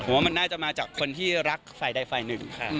ผมว่ามันน่าจะมาจากคนที่รักฝ่ายใดฝ่ายหนึ่ง